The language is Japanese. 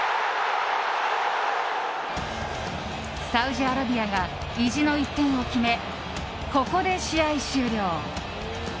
サウジアラビアが意地の１点を決めここで試合終了。